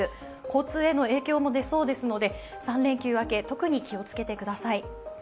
交通への影響も出そうですので、３連休明け特に気をつけてください。